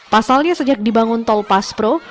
pasalnya sejak dibangun tol pas pro